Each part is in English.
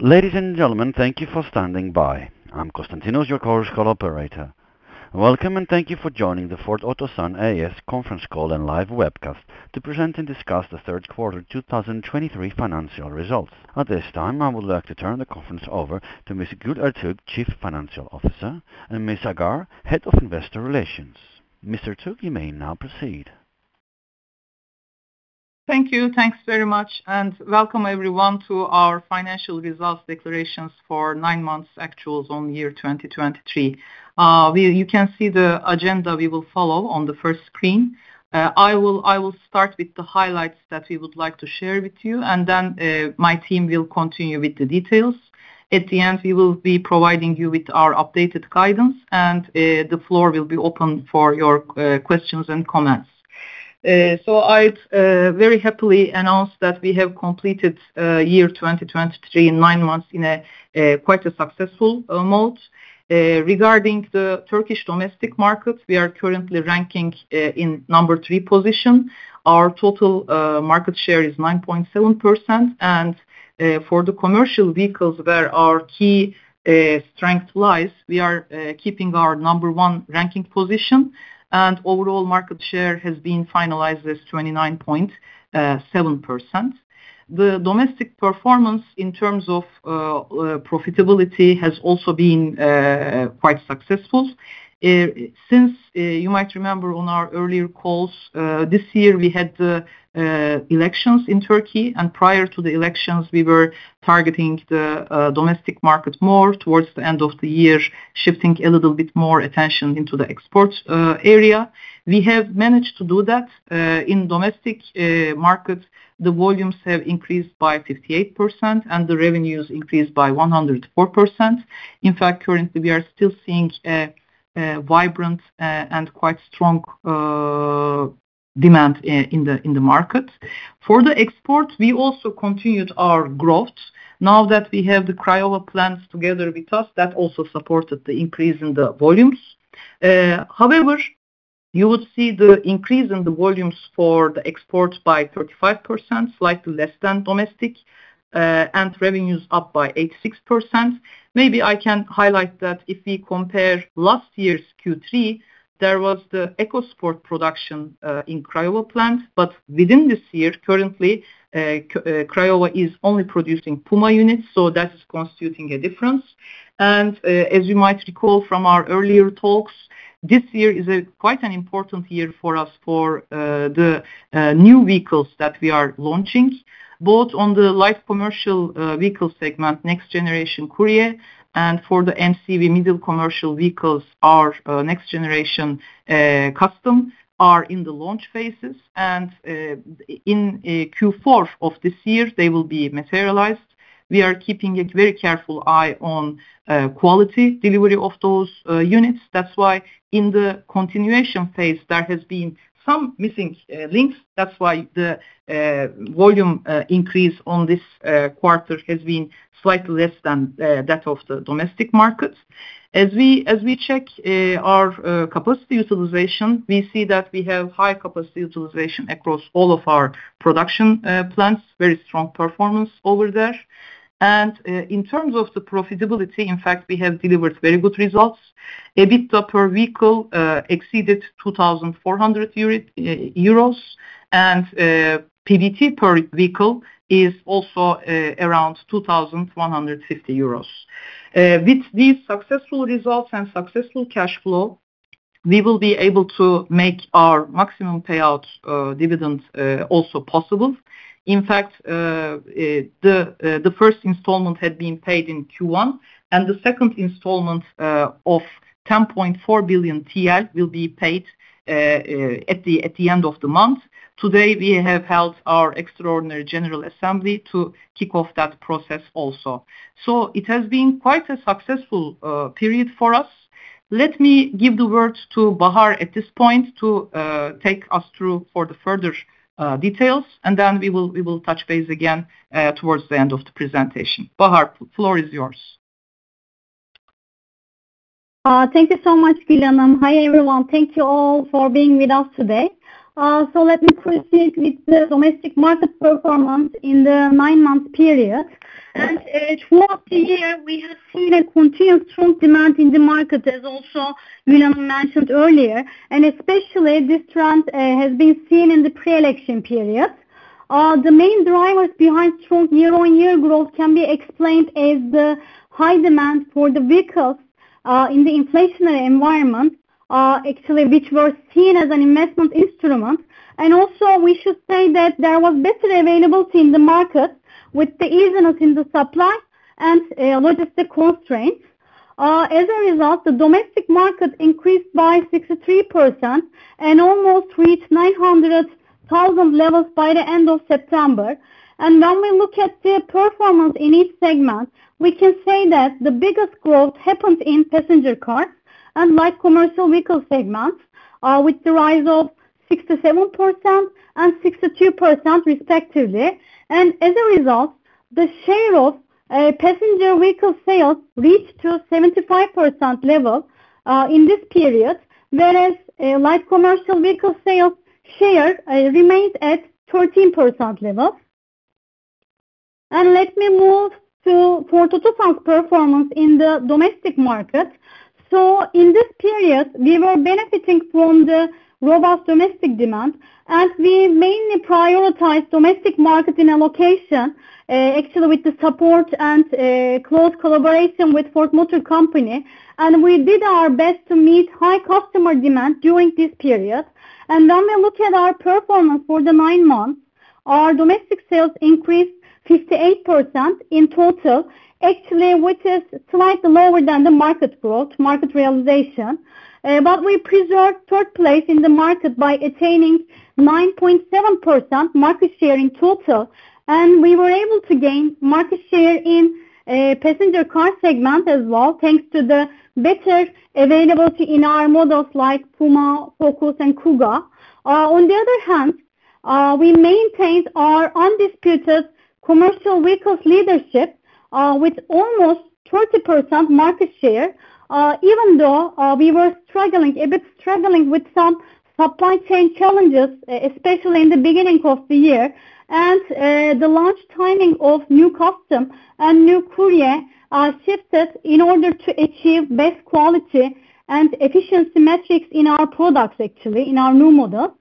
Ladies and gentlemen, thank you for standing by. I'm Constantinos, your chorus call operator. Welcome, and thank you for joining the Ford Otomotiv Sanayi A.Ş. Conference Call and Live Webcast to present and discuss the Q3 2023 Financial Results. At this time, I would like to turn the conference over to Ms. Gül Ertuğ, Chief Financial Officer, and Ms. Ağar, Head of Investor Relations. Ms. Ertuğ, you may now proceed. Thank you. Thanks very much, and welcome everyone to our financial results declarations for 9 months actuals on year 2023. You can see the agenda we will follow on the first screen. I will start with the highlights that we would like to share with you, and then, my team will continue with the details. At the end, we will be providing you with our updated guidance, and the floor will be open for your questions and comments. I'd very happily announce that we have completed year 2023 in 9 months in a quite a successful mode. Regarding the Turkish domestic market, we are currently ranking in number 3 position. Our total market share is 9.7%. For the commercial vehicles where our key strength lies, we are keeping our number one ranking position, and overall market share has been finalized as 29.7%. The domestic performance in terms of profitability has also been quite successful. Since you might remember on our earlier calls, this year we had the elections in Turkey, and prior to the elections, we were targeting the domestic market more towards the end of the year, shifting a little bit more attention into the export area. We have managed to do that. In domestic markets, the volumes have increased by 58% and the revenues increased by 104%. In fact, currently we are still seeing a vibrant and quite strong demand in the market. For the export, we also continued our growth. Now that we have the Craiova plants together with us, that also supported the increase in the volumes. However, you will see the increase in the volumes for the exports by 35%, slightly less than domestic, and revenues up by 86%. Maybe I can highlight that if we compare last year's Q3, there was the EcoSport production in Craiova plant, but within this year, currently, Craiova is only producing Puma units, so that is constituting a difference. As you might recall from our earlier talks, this year is a quite an important year for us for the new vehicles that we are launching, both on the light commercial vehicle segment, next generation Courier, and for the MCV middle commercial vehicles, our next generation Custom are in the launch phases. In Q4 of this year they will be materialized. We are keeping a very careful eye on quality delivery of those units. That's why in the continuation phase there has been some missing links. That's why the volume increase on this quarter has been slightly less than that of the domestic markets. As we check our capacity utilization, we see that we have high capacity utilization across all of our production plants. Very strong performance over there. In terms of the profitability, in fact, we have delivered very good results. EBITDA per vehicle exceeded 2,400 euros, and PBT per vehicle is also around 2,150 euros. With these successful results and successful cash flow, we will be able to make our maximum payout dividend also possible. In fact, the first installment had been paid in Q1, and the second installment of 10.4 billion TL will be paid at the end of the month. Today, we have held our extraordinary general assembly to kick off that process also. It has been quite a successful period for us. Let me give the word to Bahar at this point to take us through the further details, and then we will touch base again towards the end of the presentation. Bahar, floor is yours. Thank you so much, Gül Ertuğ. Hi, everyone. Thank you all for being with us today. Let me proceed with the domestic market performance in the nine-month period. Throughout the year, we have seen a continued strong demand in the market, as also Gül Ertuğ mentioned earlier. Especially this trend has been seen in the pre-election period. The main drivers behind strong year-on-year growth can be explained as the high demand for the vehicles in the inflationary environment, actually, which were seen as an investment instrument. Also we should say that there was better availability in the market with the easing of the supply and logistics constraints. As a result, the domestic market increased by 63% and almost reached 900,000 levels by the end of September. When we look at the performance in each segment, we can say that the biggest growth happened in passenger cars and light commercial vehicle segments with the rise of 67% and 62% respectively. As a result, the share of passenger vehicle sales reached to 75% level in this period. Light commercial vehicle sales share remains at 13% level. Let me move to Ford Otosan performance in the domestic market. In this period, we were benefiting from the robust domestic demand, and we mainly prioritize domestic market in allocation, actually with the support and close collaboration with Ford Motor Company. We did our best to meet high customer demand during this period. When we look at our performance for the nine months, our domestic sales increased 58% in total, actually, which is slightly lower than the market growth, market realization. We preserved third place in the market by attaining 9.7% market share in total. We were able to gain market share in passenger car segment as well, thanks to the better availability in our models like Puma, Focus and Kuga. On the other hand, we maintained our undisputed commercial vehicles leadership with almost 30% market share, even though we were struggling a bit with some supply chain challenges, especially in the beginning of the year. The launch timing of new Custom and new Courier are shifted in order to achieve best quality and efficiency metrics in our products actually, in our new models.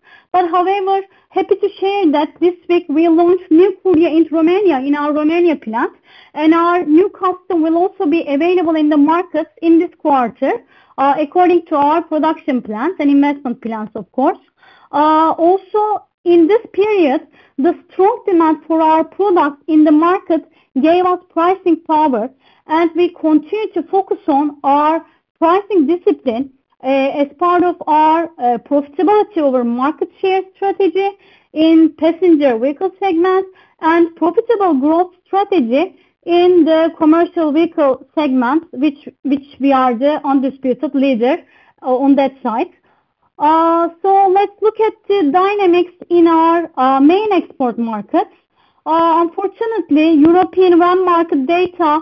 However, happy to share that this week we launched new Courier in Romania, in our Romania plant. Our new Custom will also be available in the market in this quarter, according to our production plans and investment plans, of course. Also in this period, the strong demand for our products in the market gave us pricing power, and we continue to focus on our pricing discipline, as part of our profitability over market share strategy in passenger vehicle segment and profitable growth strategy in the commercial vehicle segment, which we are the undisputed leader on that side. Let's look at the dynamics in our main export markets. Unfortunately, European van market data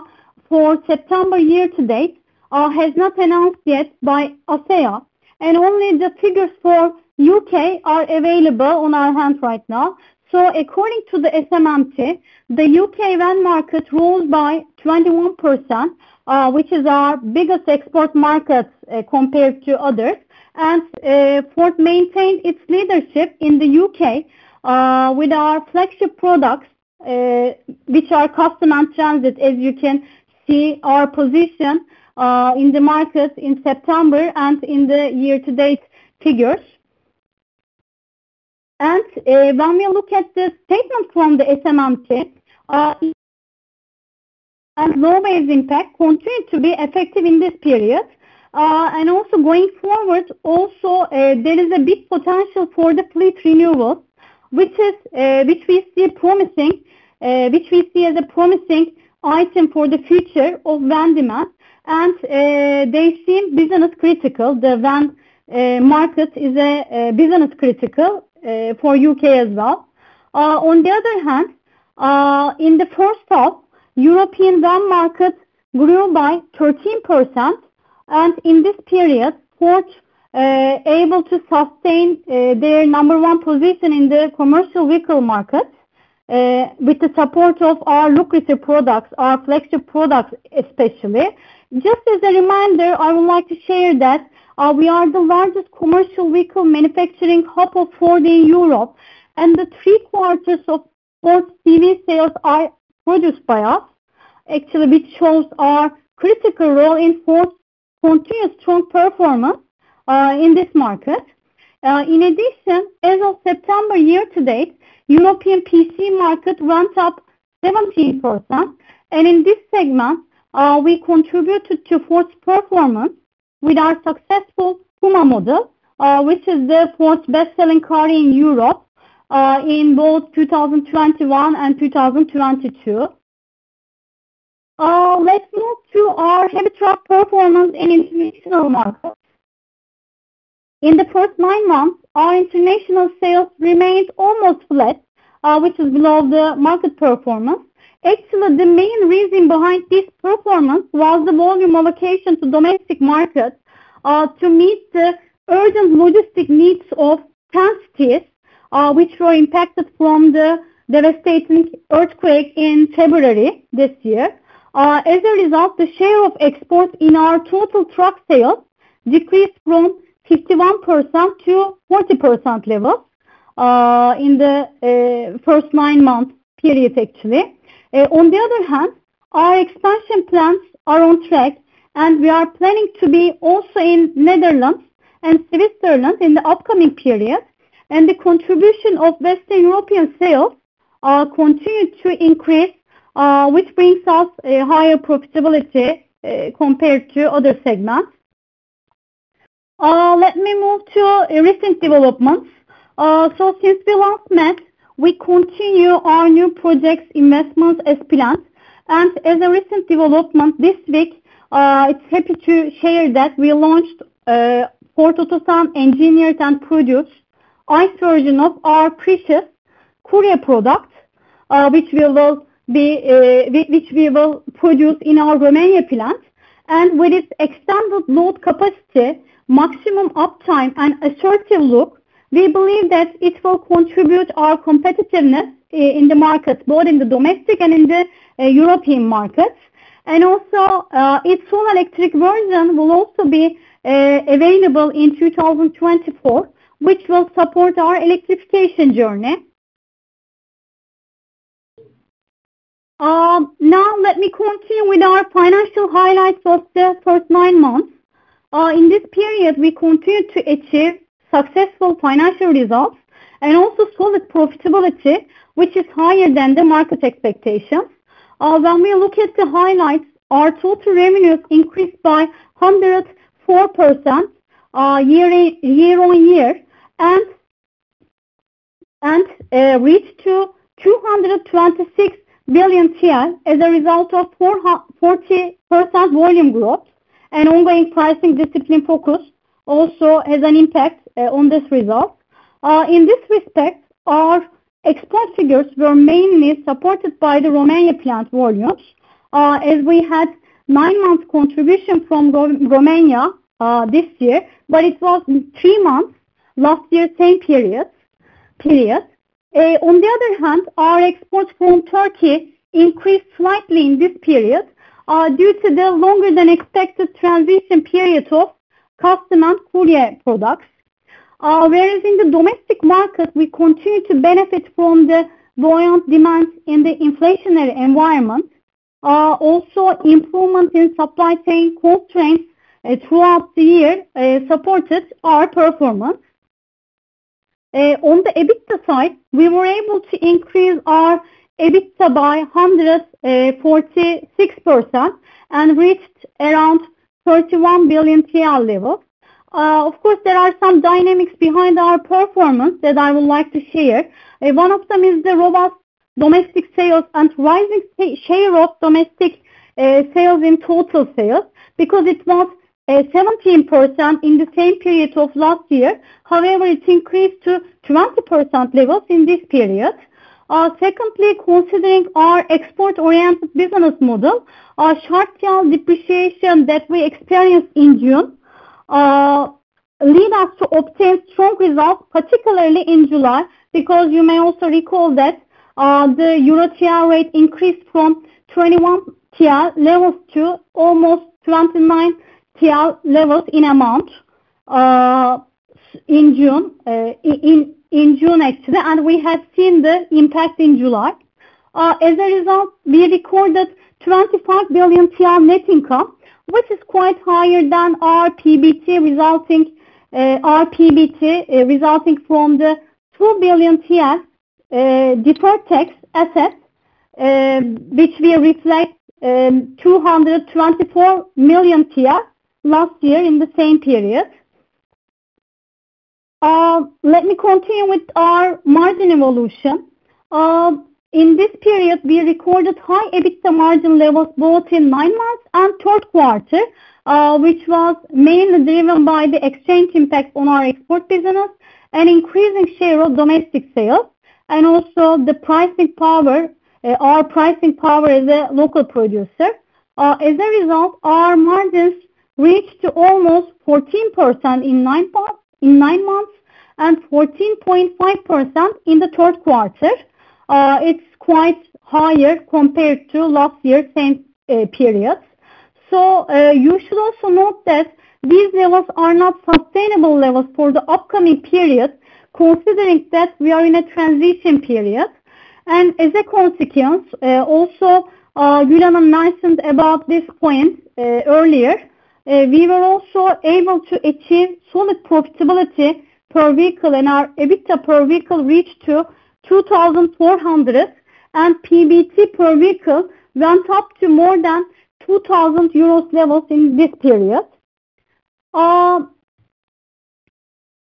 for September year-to-date has not announced yet by ACEA, and only the figures for U.K. are available on hand right now. According to the SMMT, the U.K. van market rose by 21%, which is our biggest export market compared to others. Ford maintained its leadership in the U.K. With our flagship products, which are Custom and Transit, as you can see our position in the market in September and in the year-to-date figures. When we look at the statement from the SMMT, low base impact continued to be effective in this period. Also going forward, there is a big potential for the fleet renewal, which we see as a promising item for the future of van demand. They seem business critical. The van market is business critical for U.K. as well. On the other hand, in the H1, European van market grew by 13%. In this period, Ford able to sustain their number one position in the commercial vehicle market with the support of our lucrative products, our flagship products especially. Just as a reminder, I would like to share that we are the largest commercial vehicle manufacturing hub of Ford in Europe. Three-quarters of Ford CV sales are produced by us, actually, which shows our critical role in Ford's continuous strong performance in this market. In addition, as of September year-to-date, European PC market went up 17%. In this segment, we contributed to Ford's performance with our successful Puma model, which is Ford's best-selling car in Europe in both 2021 and 2022. Let's move to our heavy truck performance in international markets. In the first nine months, our international sales remained almost flat, which is below the market performance. Actually, the main reason behind this performance was the volume allocation to domestic markets, to meet the urgent logistic needs of Kahramanmaraş, which were impacted by the devastating earthquake in February this year. As a result, the share of exports in our total truck sales decreased from 51% to 40% level, in the first 9 month period, actually. On the other hand, our expansion plans are on track, and we are planning to be also in Netherlands and Switzerland in the upcoming period. The contribution of Western European sales continued to increase, which brings us a higher profitability, compared to other segments. Let me move to recent developments. Since we last met, we continue our new projects investments as planned. As a recent development this week, we're happy to share that we launched Ford Otosan engineered and produced ICE version of our Transit Courier product, which we will produce in our Romania plant. With its extended load capacity, maximum uptime and assertive look, we believe that it will contribute to our competitiveness in the market, both in the domestic and in the European markets. Also, its full electric version will be available in 2024, which will support our electrification journey. Now let me continue with our financial highlights of the first nine months. In this period, we continued to achieve successful financial results and also solid profitability, which is higher than the market expectations. When we look at the highlights, our total revenues increased by 104%, year on year, and reached 226 billion TL as a result of 40% volume growth. An ongoing pricing discipline focus also has an impact on this result. In this respect, our export figures were mainly supported by the Romania plant volumes, as we had nine months contribution from Romania this year, but it was three months last year same period. On the other hand, our exports from Turkey increased slightly in this period, due to the longer than expected transition period of Custom Courier products. Whereas in the domestic market we continue to benefit from the buoyant demands in the inflationary environment. Also improvement in supply chain constraints throughout the year supported our performance. On the EBITDA side, we were able to increase our EBITDA by 146% and reached around 31 billion TL levels. Of course, there are some dynamics behind our performance that I would like to share. One of them is the robust domestic sales and rising share of domestic sales in total sales, because it was 17% in the same period of last year. However, it increased to 20% levels in this period. Secondly, considering our export-oriented business model, our short TL depreciation that we experienced in June lead us to obtain strong results, particularly in July, because you may also recall that the euro TL rate increased from 21 TL levels to almost 29 TL levels in a month in June, actually, and we have seen the impact in July. As a result, we recorded 25 billion TL net income, which is quite higher than our PBT, our PBT resulting from the 2 billion deferred tax assets, which we reflect 224 million last year in the same period. Let me continue with our margin evolution. In this period we recorded high EBITDA margin levels both in nine months and Q3, which was mainly driven by the exchange impact on our export business and increasing share of domestic sales and also the pricing power, our pricing power as a local producer. As a result, our margins reached to almost 14% in nine months and 14.5% in the Q3. It's quite higher compared to last year same period. You should also note that these levels are not sustainable levels for the upcoming period, considering that we are in a transition period. As a consequence, also, Gül Ertuğ mentioned about this point earlier, we were also able to achieve solid profitability per vehicle and our EBITDA per vehicle reached to 2,400, and PBT per vehicle went up to more than 2,000 euros levels in this period.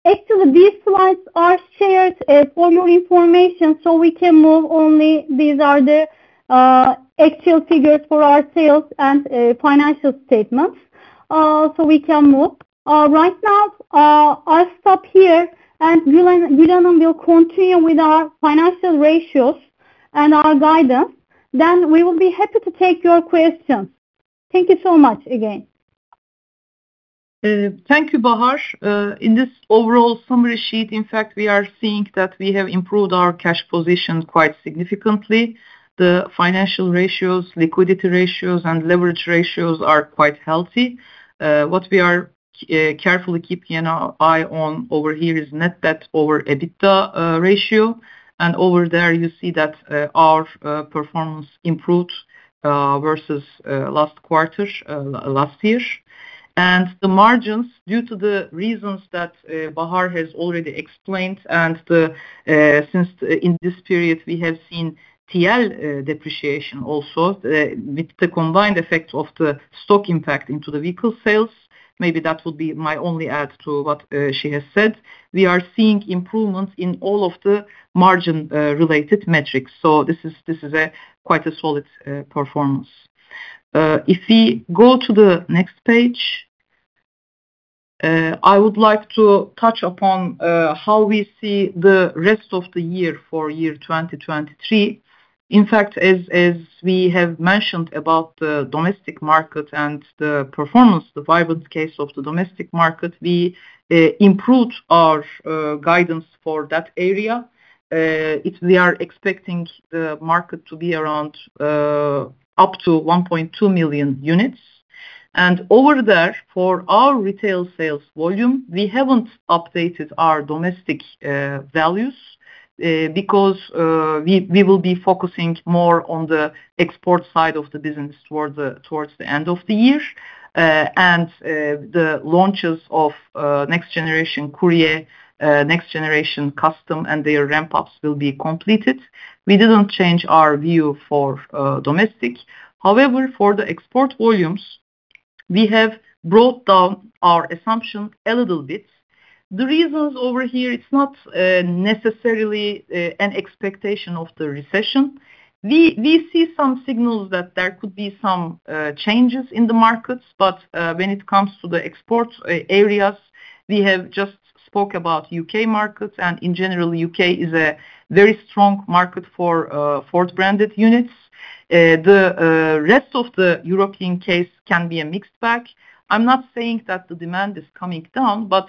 Actually, these slides are shared for your information, so we can move. Only these are the actual figures for our sales and financial statements. We can move. Right now, I'll stop here and Gül Ertuğ will continue with our financial ratios and our guidance. We will be happy to take your questions. Thank you so much again. Thank you, Bahar. In this overall summary sheet, in fact, we are seeing that we have improved our cash position quite significantly. The financial ratios, liquidity ratios and leverage ratios are quite healthy. What we are carefully keeping our eye on over here is Net Debt to EBITDA ratio. Over there you see that our performance improved versus last quarter, last year. The margins due to the reasons that Bahar has already explained, and since in this period we have seen TL depreciation also, with the combined effect of the stock impact into the vehicle sales, maybe that would be my only add to what she has said. We are seeing improvements in all of the margin related metrics. This is a quite a solid performance. If we go to the next page. I would like to touch upon how we see the rest of the year for 2023. In fact, as we have mentioned about the domestic market and the performance, the vibrant case of the domestic market, we improved our guidance for that area. We are expecting the market to be around up to 1.2 million units. Over there, for our retail sales volume, we haven't updated our domestic values because we will be focusing more on the export side of the business towards the end of the year. The launches of next generation Courier, next generation Custom and their ramp-ups will be completed. We didn't change our view for domestic. However, for the export volumes, we have brought down our assumption a little bit. The reasons over here, it's not necessarily an expectation of the recession. We see some signals that there could be some changes in the markets, but when it comes to the exports areas, we have just spoke about U.K. markets, and in general, U.K. is a very strong market for Ford branded units. The rest of the European case can be a mixed bag. I'm not saying that the demand is coming down, but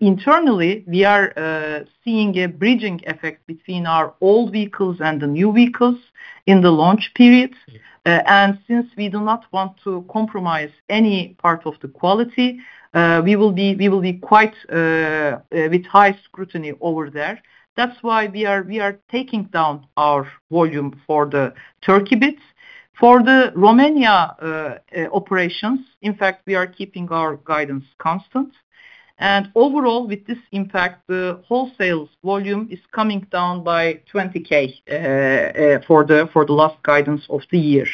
internally we are seeing a bridging effect between our old vehicles and the new vehicles in the launch periods. Since we do not want to compromise any part of the quality, we will be quite with high scrutiny over there. That's why we are taking down our volume for the Turkey biz. For the Romania operations, in fact, we are keeping our guidance constant. Overall, with this impact, the wholesale volume is coming down by 20,000 for the last guidance of the year.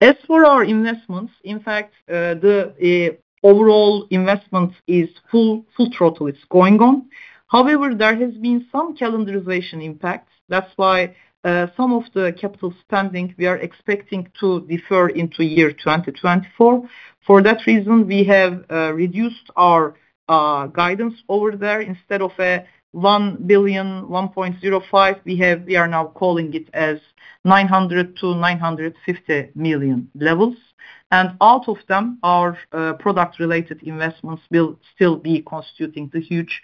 As for our investments, in fact, the overall investment is full throttle. It's going on. However, there has been some calendarization impact. That's why some of the capital spending we are expecting to defer into year 2024. For that reason, we have reduced our guidance over there. Instead of 1.05 billion, we are now calling it as 900 million-950 million levels. Out of them, our product-related investments will still be constituting the huge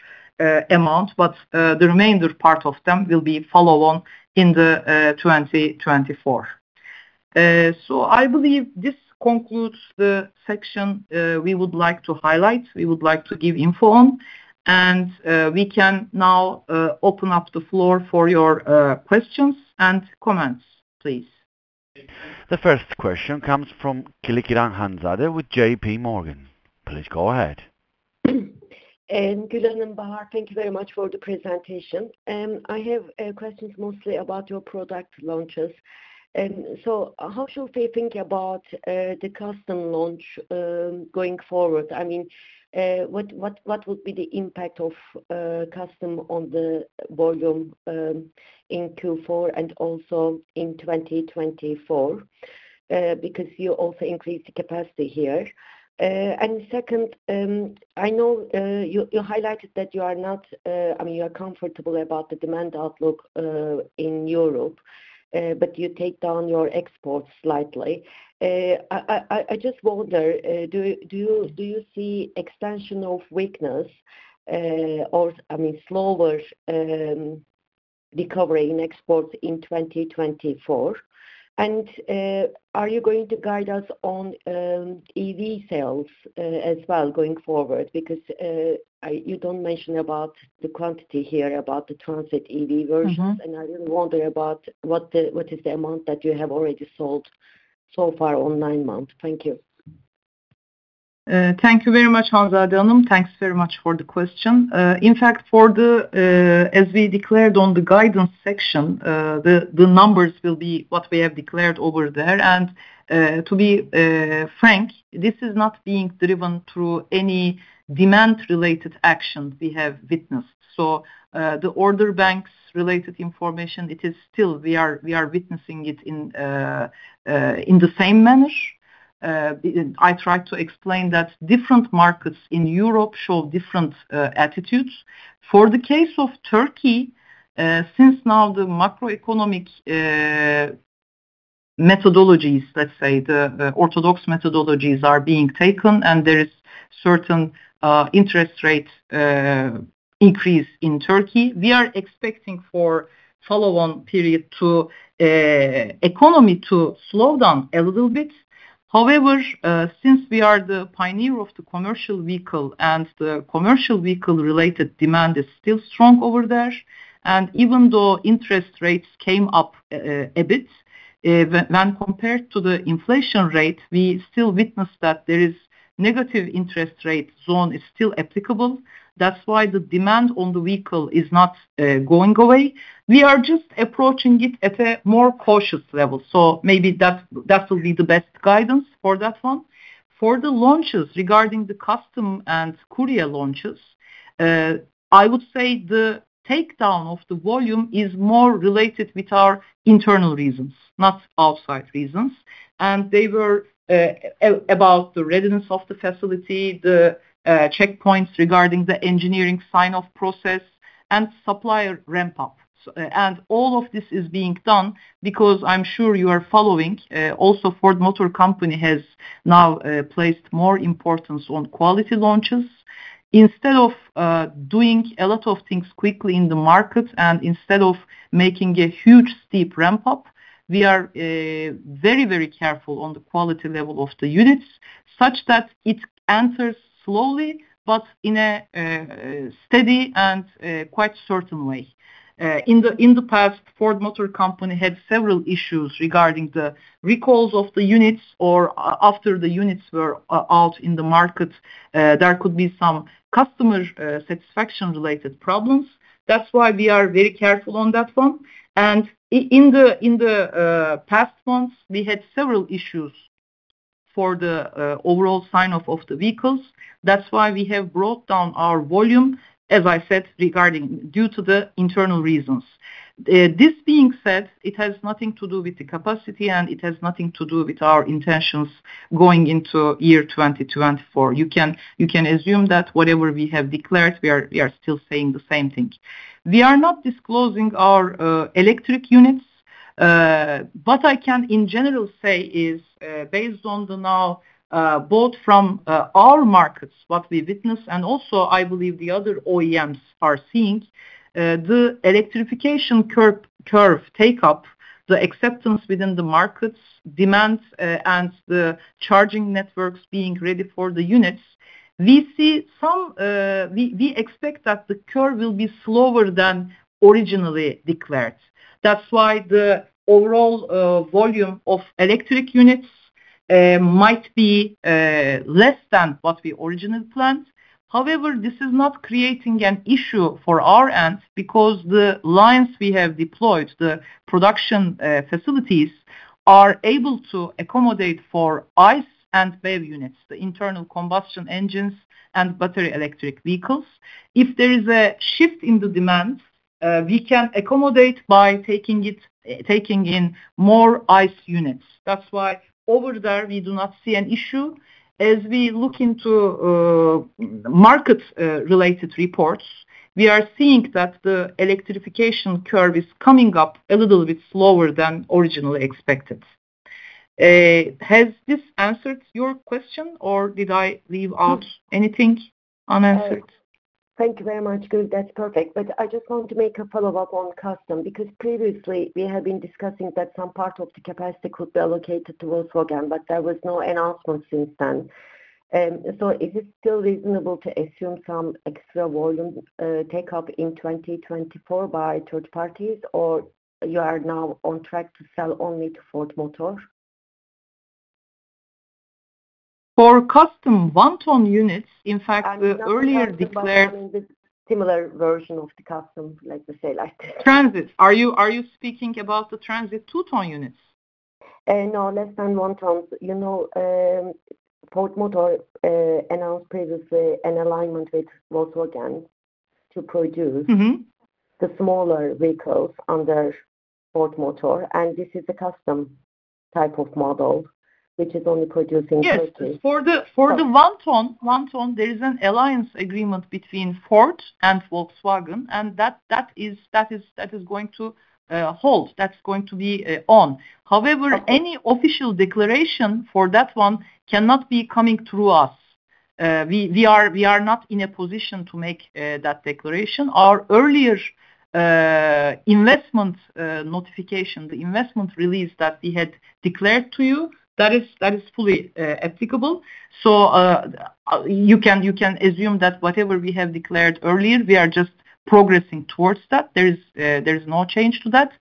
amount, but the remainder part of them will be follow-on in the 2024. I believe this concludes the section we would like to highlight, we would like to give info on, and we can now open up the floor for your questions and comments, please. The first question comes from Hanzade Kılıçkıran with JP Morgan. Please go ahead. Gül Ertuğ and Bahar, thank you very much for the presentation. I have questions mostly about your product launches. How should we think about the Custom launch going forward? I mean, what would be the impact of Custom on the volume in Q4 and also in 2024? Because you also increased the capacity here. And second, I know you highlighted that you are comfortable about the demand outlook in Europe, but you take down your exports slightly. I just wonder, do you see extension of weakness or I mean slower recovery in exports in 2024? Are you going to guide us on EV sales as well going forward? Because you don't mention about the quantity here, about the Transit EV versions. Mm-hmm. I was wondering about what is the amount that you have already sold so far on nine months. Thank you. Thank you very much, Hanzade Kilickiran. Thanks very much for the question. In fact, as we declared in the guidance section, the numbers will be what we have declared over there. To be frank, this is not being driven through any demand-related action we have witnessed. The order bank related information, it is still we are witnessing it in the same manner. I tried to explain that different markets in Europe show different attitudes. For the case of Turkey, since now the macroeconomic methodologies, let's say the orthodox methodologies are being taken and there is certain interest rate increase in Turkey, we are expecting for follow-on period to economy to slow down a little bit. However, since we are the pioneer of the commercial vehicle and the commercial vehicle-related demand is still strong over there, and even though interest rates came up a bit when compared to the inflation rate, we still witness that there is negative interest rate zone is still applicable. That's why the demand on the vehicle is not going away. We are just approaching it at a more cautious level. Maybe that's that will be the best guidance for that one. For the launches regarding the Custom and Courier launches, I would say the takedown of the volume is more related with our internal reasons, not outside reasons. They were about the readiness of the facility, the checkpoints regarding the engineering sign-off process and supplier ramp up. All of this is being done because I'm sure you are following. Also Ford Motor Company has now placed more importance on quality launches instead of doing a lot of things quickly in the market and instead of making a huge steep ramp up. We are very, very careful on the quality level of the units, such that it answers slowly but in a steady and quite certain way. In the past, Ford Motor Company had several issues regarding the recalls of the units or after the units were out in the market. There could be some customer satisfaction related problems. That's why we are very careful on that one. In the past months, we had several issues for the overall sign-off of the vehicles. That's why we have brought down our volume, as I said, regarding due to the internal reasons. This being said, it has nothing to do with the capacity, and it has nothing to do with our intentions going into year 2024. You can assume that whatever we have declared, we are still saying the same thing. We are not disclosing our electric units. What I can in general say is, based on the now, both from our markets, what we witness, and also I believe the other OEMs are seeing, the electrification curve take up the acceptance within the markets demands, and the charging networks being ready for the units. We expect that the curve will be slower than originally declared. That's why the overall volume of electric units might be less than what we originally planned. However, this is not creating an issue for our end because the lines we have deployed, the production facilities are able to accommodate for ICE and BEV units, the internal combustion engines and battery electric vehicles. If there is a shift in the demand, we can accommodate by taking in more ICE units. That's why over there we do not see an issue. As we look into market related reports, we are seeing that the electrification curve is coming up a little bit slower than originally expected. Has this answered your question or did I leave out anything unanswered? Thank you very much. Good. That's perfect. I just want to make a follow-up on Custom because previously we have been discussing that some part of the capacity could be allocated to Volkswagen, but there was no announcement since then. Is it still reasonable to assume some extra volume, take up in 2024 by third parties or you are now on track to sell only to Ford Motor? For Custom one-ton units, in fact, we earlier declared. I mean, not the Custom, but the similar version of the Custom, like. Transit. Are you speaking about the Transit 2-ton units? No less than one ton. You know, Ford Motor announced previously an alignment with Volkswagen to produce- Mm-hmm The smaller vehicles under Ford Motor, and this is a Custom type of model which is only produced in Turkey. Yes. For the one ton, there is an alliance agreement between Ford and Volkswagen, and that is going to hold. That's going to be on. However, any official declaration for that one cannot be coming through us. We are not in a position to make that declaration. Our earlier investment notification, the investment release that we had declared to you, that is fully applicable. You can assume that whatever we have declared earlier, we are just progressing towards that. There is no change to that.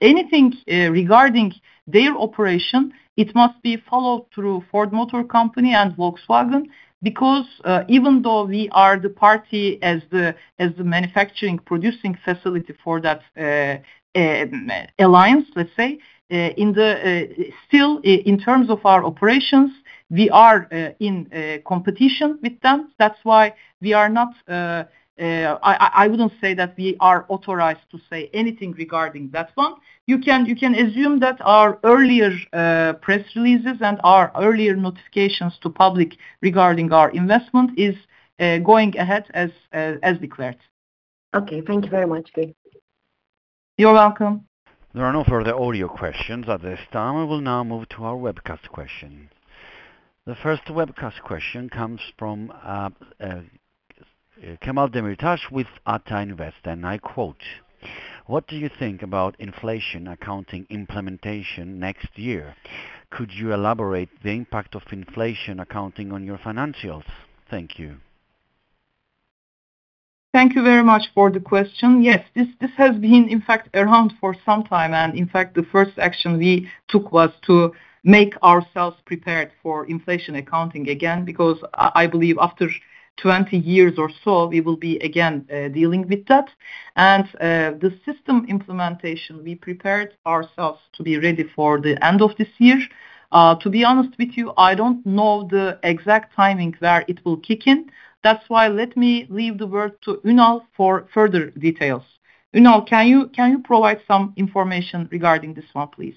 Anything regarding their operation, it must be followed through Ford Motor Company and Volkswagen because even though we are the party as the manufacturing producing facility for that alliance, let's say, still in terms of our operations, we are in competition with them. That's why we are not. I wouldn't say that we are authorized to say anything regarding that one. You can assume that our earlier press releases and our earlier notifications to public regarding our investment is going ahead as declared. Okay. Thank you very much. Good. You're welcome. There are no further audio questions at this time. We will now move to our webcast question. The first webcast question comes from Cemal Demirtaş with Ata Invest, and I quote, "What do you think about inflation accounting implementation next year? Could you elaborate the impact of inflation accounting on your financials? Thank you. Thank you very much for the question. Yes, this has been in fact around for some time, and in fact the first action we took was to make ourselves prepared for inflation accounting again, because I believe after 20 years or so we will be again dealing with that. The system implementation, we prepared ourselves to be ready for the end of this year. To be honest with you, I don't know the exact timing where it will kick in. That's why let me leave the word to Ünal for further details. Unal, can you provide some information regarding this one, please?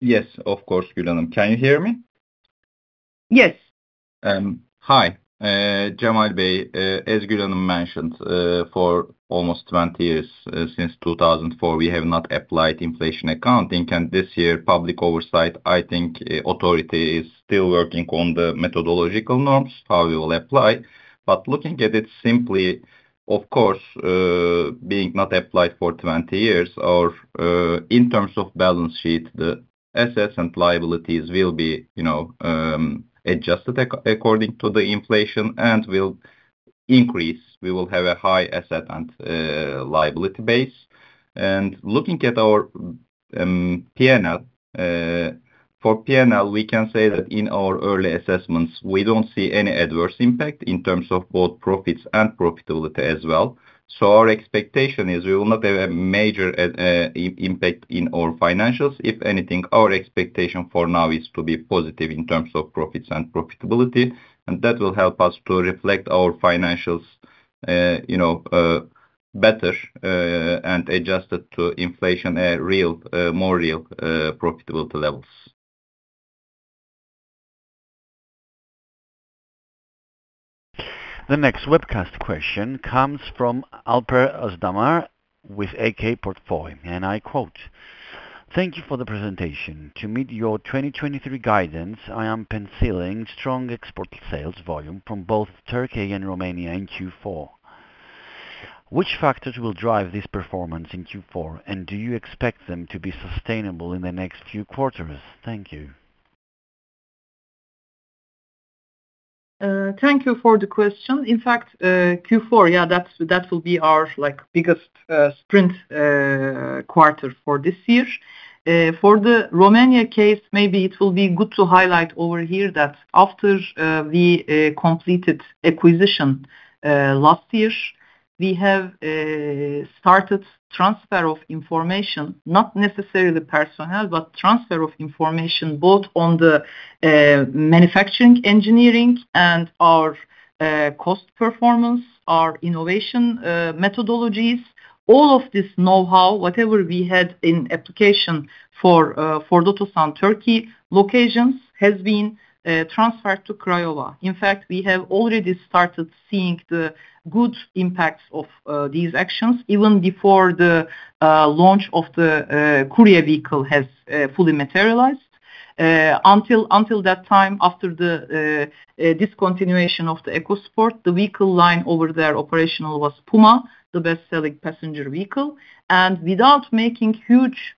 Yes, of course, Gül Ertuğ. Can you hear me? Yes. Hi, Cemal Demirtaş. As Gül Ertuğ mentioned, for almost 20 years, since 2004, we have not applied inflation accounting. This year, Public Oversight Authority, I think, is still working on the methodological norms, how we will apply. Looking at it simply, of course, being not applied for 20 years or, in terms of balance sheet, the assets and liabilities will be, you know, adjusted according to the inflation and will increase. We will have a high asset and liability base. Looking at our P&L, for P&L, we can say that in our early assessments, we don't see any adverse impact in terms of both profits and profitability as well. Our expectation is we will not have a major impact in our financials. If anything, our expectation for now is to be positive in terms of profits and profitability, and that will help us to reflect our financials, you know, better, and adjusted to inflation, real, more real profitability levels. The next webcast question comes from Alper Özdamar with Ak Portföy, and I quote, "Thank you for the presentation. To meet your 2023 guidance, I am penciling strong export sales volume from both Turkey and Romania in Q4. Which factors will drive this performance in Q4, and do you expect them to be sustainable in the next few quarters? Thank you. Thank you for the question. In fact, Q4, that will be our like biggest spend quarter for this year. For the Romania case, maybe it will be good to highlight over here that after we completed acquisition last year, we have started transfer of information, not necessarily the personnel, but transfer of information both on the manufacturing engineering and our cost performance, our innovation methodologies. All of this know-how, whatever we had in application for Otosan Turkey locations has been transferred to Craiova. In fact, we have already started seeing the good impacts of these actions even before the launch of the Courier vehicle has fully materialized. Until that time, after the discontinuation of the EcoSport, the vehicle line over there operational was Puma, the best-selling passenger vehicle. Without making huge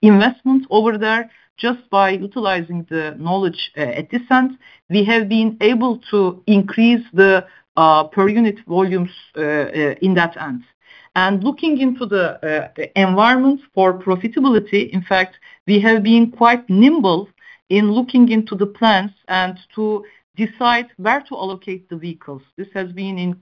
investments over there, just by utilizing the knowledge at this end, we have been able to increase the per unit volumes in that end. Looking into the environment for profitability, in fact, we have been quite nimble in looking into the plans and to decide where to allocate the vehicles. This has been in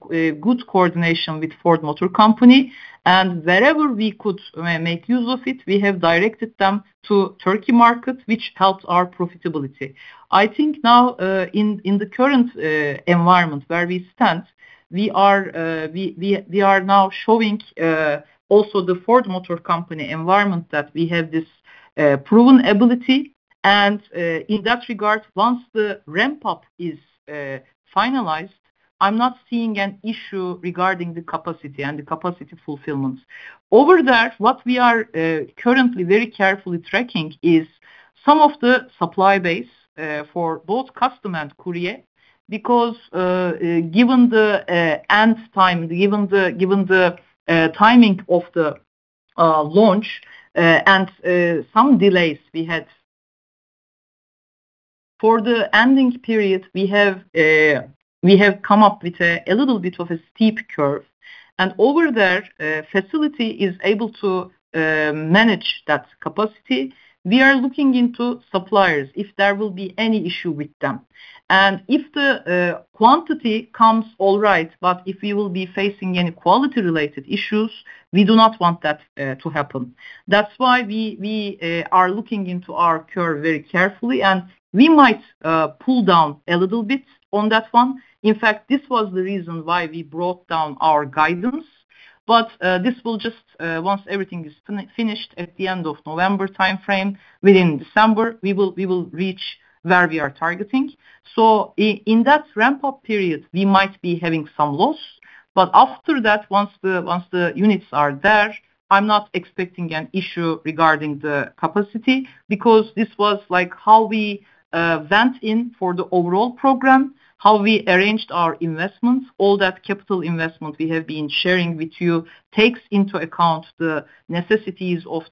good coordination with Ford Motor Company, and wherever we could make use of it, we have directed them to Turkey market, which helps our profitability. I think now, in the current environment where we stand, we are now showing also the Ford Motor Company environment that we have this proven ability. In that regard, once the ramp-up is finalized, I'm not seeing an issue regarding the capacity and the capacity fulfillments. Over there, what we are currently very carefully tracking is some of the supply base for both Custom and Courier because, given the end time, given the timing of the launch, and some delays we had. For the ending period, we have come up with a little bit of a steep curve. Over there, facility is able to manage that capacity. We are looking into suppliers, if there will be any issue with them. If the quantity comes all right, but if we will be facing any quality-related issues, we do not want that to happen. That's why we are looking into our curve very carefully, and we might pull down a little bit on that one. In fact, this was the reason why we brought down our guidance. This will just once everything is finished at the end of November timeframe, within December, we will reach where we are targeting. In that ramp-up period, we might be having some loss. After that, once the units are there, I'm not expecting an issue regarding the capacity, because this was like how we went in for the overall program, how we arranged our investments. All that capital investment we have been sharing with you takes into account the necessities of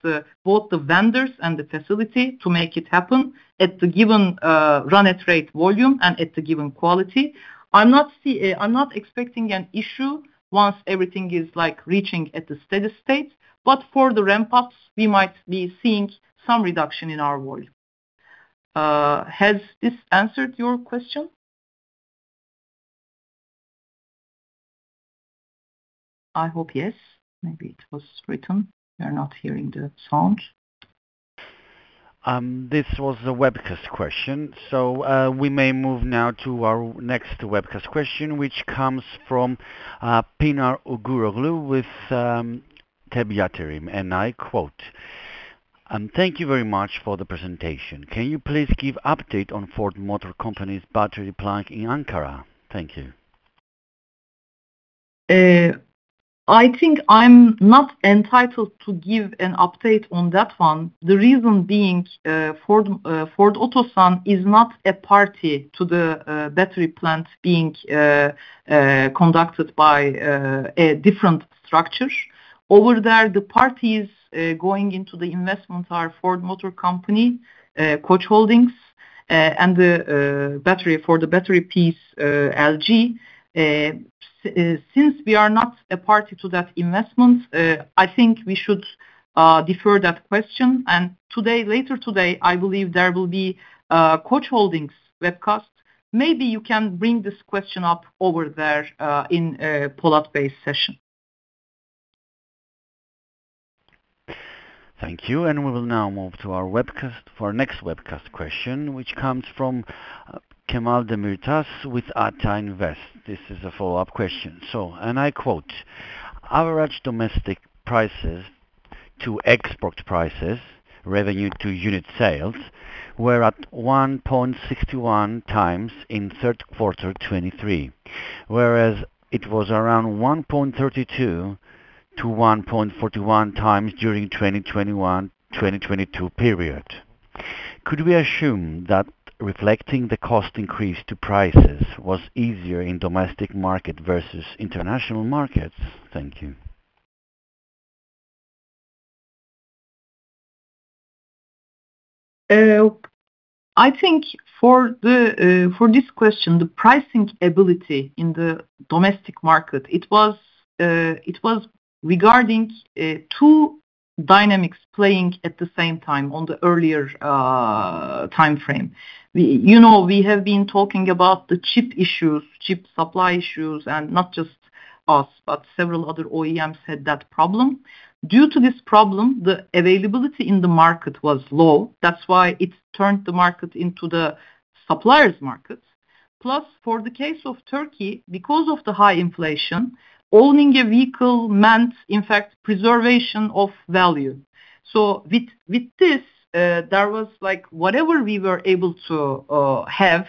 both the vendors and the facility to make it happen at the given run-rate volume and at the given quality. I'm not expecting an issue once everything is, like, reaching the steady state. For the ramp-ups, we might be seeing some reduction in our volume. Has this answered your question? I hope yes. Maybe it was written. We are not hearing the sound. This was a webcast question. We may move now to our next webcast question, which comes from Pınar Uğuroğlu with TEB Yatırım, and I quote, "Thank you very much for the presentation. Can you please give update on Ford Motor Company's battery plant in Ankara? Thank you. I think I'm not entitled to give an update on that one. The reason being, Ford Otosan is not a party to the battery plant being conducted by a different structure. Over there, the parties going into the investment are Ford Motor Company, Koç Holding, and the battery for the battery piece, LG. Since we are not a party to that investment, I think we should defer that question. Today, later today, I believe there will be a Koç Holding webcast. Maybe you can bring this question up over there in Polat Bey's session. Thank you. We will now move to our webcast, for our next webcast question, which comes from Cemal Demirtaş with Ata Invest. This is a follow-up question. I quote, "Average domestic prices to export prices, revenue to unit sales, were at 1.61 times in Q3 2023, whereas it was around 1.32-1.41 times during 2021, 2022 period. Could we assume that reflecting the cost increase to prices was easier in domestic market versus international markets? Thank you. I think for this question, the pricing ability in the domestic market, it was regarding two dynamics playing at the same time on the earlier time frame. We, you know, we have been talking about the chip issues, chip supply issues, and not just us, but several other OEMs had that problem. Due to this problem, the availability in the market was low. That's why it turned the market into the supplier's market. Plus, for the case of Turkey, because of the high inflation, owning a vehicle meant, in fact, preservation of value. With this, there was like whatever we were able to have,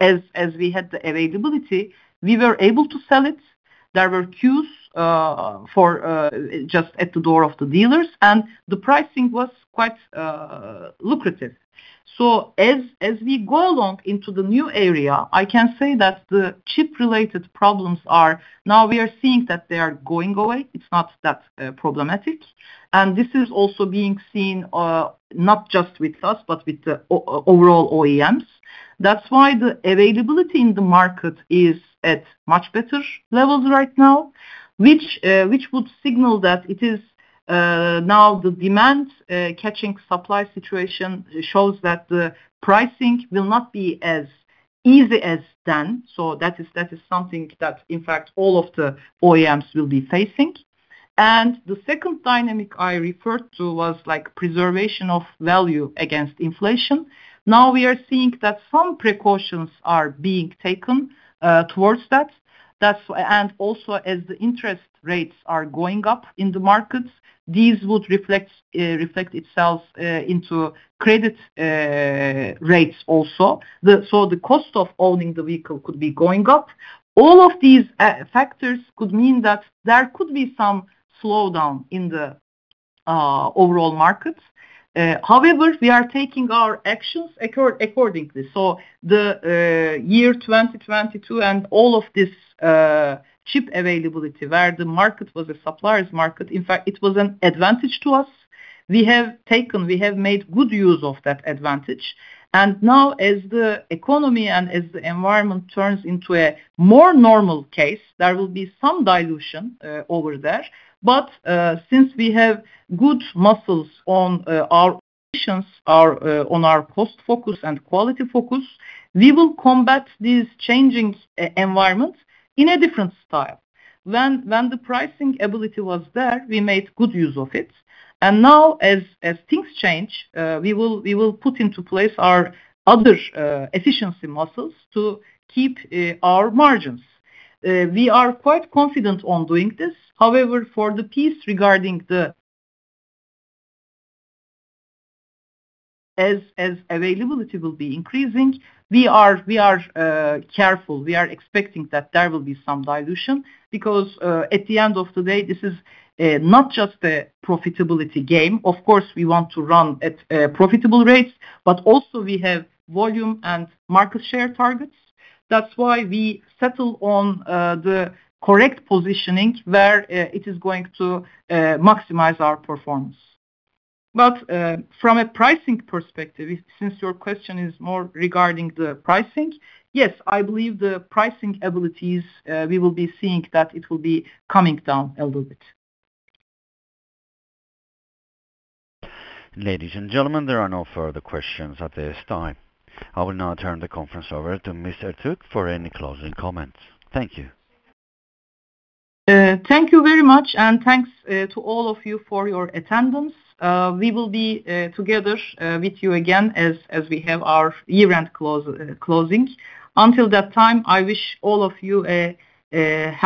as we had the availability, we were able to sell it. There were queues for just at the door of the dealers, and the pricing was quite lucrative. As we go along into the new era, I can say that the chip-related problems are now, we are seeing that they are going away. It's not that problematic. This is also being seen, not just with us, but with the overall OEMs. That's why the availability in the market is at much better levels right now, which would signal that it is now the demand catching supply situation shows that the pricing will not be as easy as then. That is something that, in fact, all of the OEMs will be facing. The second dynamic I referred to was like preservation of value against inflation. Now we are seeing that some precautions are being taken towards that. Also as the interest rates are going up in the markets, these would reflect itself into credit rates also. The cost of owning the vehicle could be going up. All of these factors could mean that there could be some slowdown in the overall markets. However, we are taking our actions accordingly. Year 2022 and all of this chip availability where the market was a supplier's market, in fact, it was an advantage to us. We have taken, we have made good use of that advantage. Now as the economy and as the environment turns into a more normal case, there will be some dilution over there. Since we have good muscles on our operations, on our cost focus and quality focus, we will combat this changing environment in a different style. When the pricing ability was there, we made good use of it. Now, as things change, we will put into place our other efficiency muscles to keep our margins. We are quite confident on doing this. However, for the piece regarding, as availability will be increasing, we are careful. We are expecting that there will be some dilution because, at the end of the day, this is not just a profitability game. Of course, we want to run at profitable rates, but also we have volume and market share targets. That's why we settle on the correct positioning where it is going to maximize our performance. From a pricing perspective, since your question is more regarding the pricing, yes, I believe the pricing abilities we will be seeing that it will be coming down a little bit. Ladies and gentlemen, there are no further questions at this time. I will now turn the conference over to Ms. Gül Ertuğ for any closing comments. Thank you. Thank you very much, and thanks to all of you for your attendance. We will be together with you again as we have our year-end closing. Until that time, I wish all of you a happy